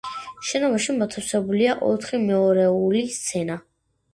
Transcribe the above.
შენობაში მოთავსებულია ოთხი მეორეული სცენა.